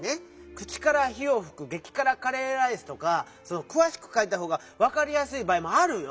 「口から火をふくげきからカレーライス」とかくわしくかいたほうがわかりやすいばあいもあるよ！